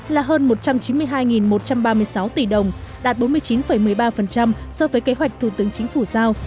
là hơn một trăm chín mươi hai một trăm ba mươi sáu tỷ đồng đạt bốn mươi chín một mươi ba so với kế hoạch thủ tướng chính phủ giao